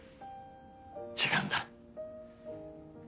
違うんだ。